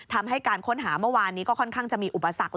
ทำให้การค้นหาเมื่อวานนี้ก็ค่อนข้างจะมีอุปสรรค